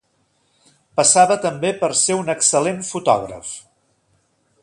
Passava també per ser un excel·lent fotògraf.